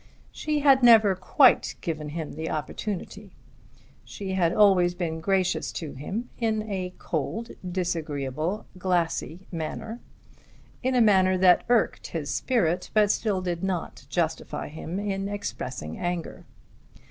She had never quite given him the opportunity. She had always been gracious to him in a cold, disagreeable, glassy manner, in a manner that irked his spirit but still did not justify him in expressing anger.